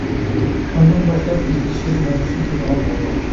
شۇندىن باشلاپ ئىزدىشىپ مۇڭدىشىپ تۇرىدىغان بولدۇق.